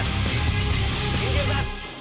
mas ini dia mas